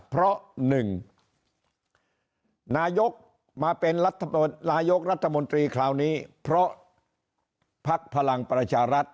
เพราะ๑นายกมาเป็นนายกรัฐมนตรีคราวนี้เพราะภักดิ์พลังประชารัฐ